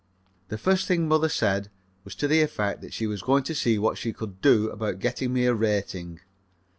The first thing mother said was to the effect that she was going to see what she could do about getting me a rating.